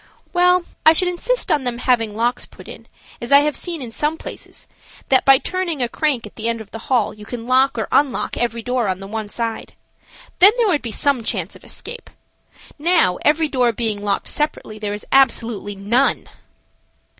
"Well, I should insist on them having locks put in, as I have seen in some places, that by turning a crank at the end of the hall you can lock or unlock every door on the one side. Then there would be some chance of escape. Now, every door being locked separately, there is absolutely none."